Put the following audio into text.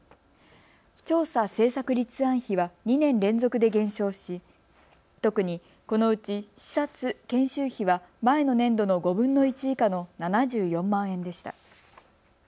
調査・政策立案費は２年連続で減少し特にこのうち視察・研修費は前の年度の５分の１以下の７４万円でした。